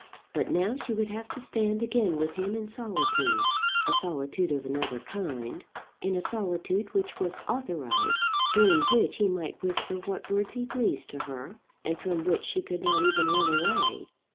But now she would have to stand again with him in solitude, a solitude of another kind, in a solitude which was authorized, during which he might whisper what words he pleased to her, and from which she could not even run away.